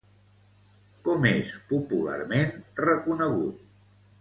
Com és popularment reconegut?